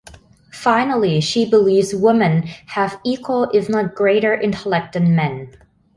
Finally she believes women have equal if not greater intellect than men.